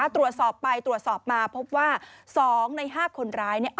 ตรวจสอบไปตรวจสอบมาพบว่า๒ใน๕คนร้าย